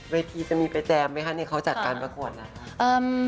เวทีจะมีไปแจมไหมคะนี่เขาจัดการประกวดน่ะ